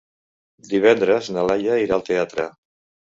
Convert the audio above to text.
Divendres na Laia irà al teatre.